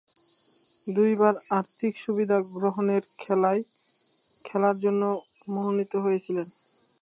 দুইবার আর্থিক সুবিধা গ্রহণের খেলার জন্যে মনোনীত হয়েছিলেন।